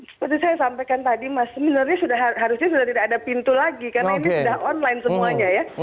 seperti saya sampaikan tadi mas sebenarnya harusnya sudah tidak ada pintu lagi karena ini sudah online semuanya ya